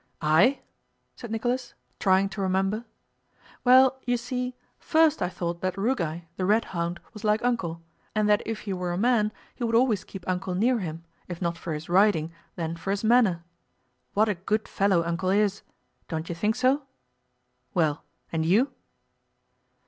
"I?" said Nicholas, trying to remember. "Well, you see, first I thought that Rugáy, the red hound, was like Uncle, and that if he were a man he would always keep Uncle near him, if not for his riding, then for his manner. What a good fellow Uncle is! Don't you think so?... Well, and you?"